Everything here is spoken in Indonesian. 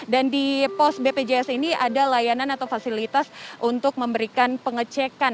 dan di pos bpjs ini ada layanan atau fasilitas untuk memberikan pengecekan